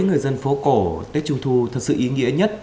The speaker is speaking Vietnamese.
người dân phố cổ tết trung thu thật sự ý nghĩa nhất